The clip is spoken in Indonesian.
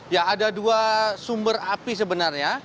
ya ada dua sumber api sebenarnya